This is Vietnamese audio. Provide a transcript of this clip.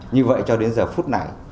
như vậy cho đến giờ phút này